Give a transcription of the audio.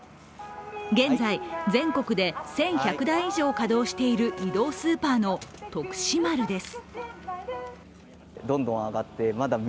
現在全国で１１００台以上稼働している移動スーパーの、とくし丸です。